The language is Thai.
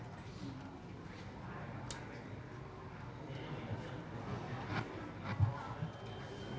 ข้างข้างไม่ได้ข้างข้างไม่ได้